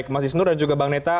mas isnur dan juga bang neta